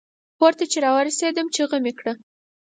کور ته چې را ورسیدم چیغه مې کړه.